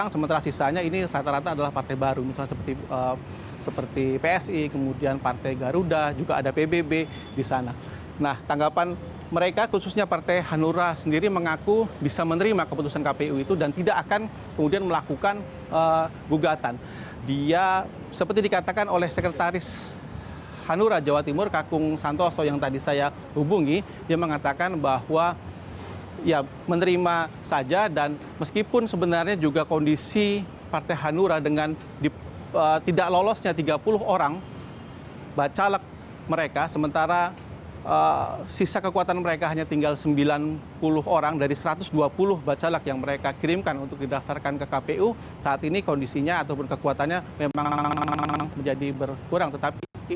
setiap mengajukan diri mereka sebagai bakal calon anggota